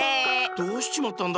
どうしちまったんだ？